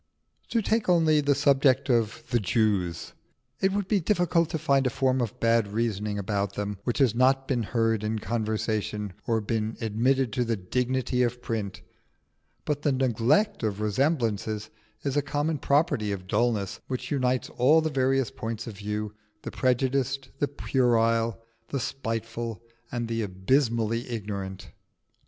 To take only the subject of the Jews: it would be difficult to find a form of bad reasoning about them which has not been heard in conversation or been admitted to the dignity of print; but the neglect of resemblances is a common property of dulness which unites all the various points of view the prejudiced, the puerile, the spiteful, and the abysmally ignorant.